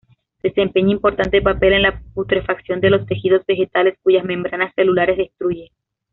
Desempeña importante papel en la putrefacción de los tejidos vegetales cuyas membranas celulares destruye.